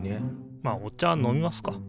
まあお茶飲みますか。